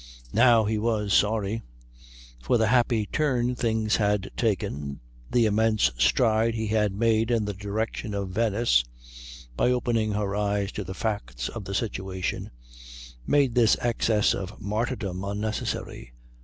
Now he was sorry; for the happy turn things had taken, the immense stride he had made in the direction of Venice by opening her eyes to the facts of the situation, made this excess of martyrdom unnecessary.